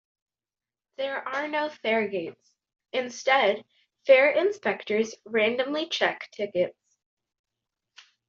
There are no faregates; instead, fare inspectors randomly check tickets.